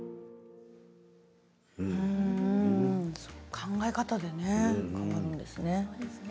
考え方で変わるんですね。